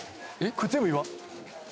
これ全部岩？